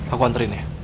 aku anterin ya